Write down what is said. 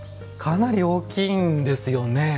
かなり大きいんですよね。